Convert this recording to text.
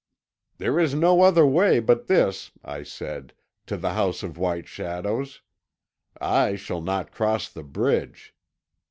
'There is no other way but this,' I said, 'to the House of White Shadows. I shall not cross the bridge.'